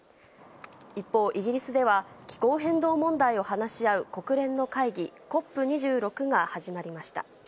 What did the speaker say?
一方、イギリスでは、気候変動問題を話し合う国連の会議、ＣＯＰ２６が始まりました。